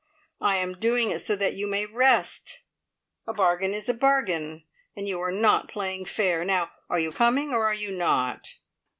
I am doing it so that you may rest. A bargain is a bargain, and you are not playing fair. Now, are you coming, or are you not?"